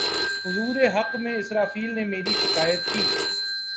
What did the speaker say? حضور حق میں اسرافیل نے میری شکایت کی